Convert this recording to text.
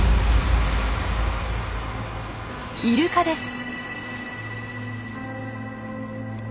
イルカです。